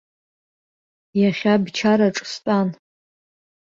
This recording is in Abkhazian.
Иахьа бчараҿ стәан!